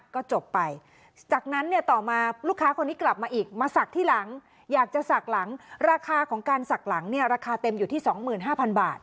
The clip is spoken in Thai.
ก็จบไปจากนั้นเนี่ยต่อมาลูกค้าคนนี้กลับมาอีกมาศักดิ์ที่หลังอยากจะศักดิ์หลังราคาของการศักดิ์หลังเนี่ยราคาเต็มอยู่ที่๒๕๐๐บาท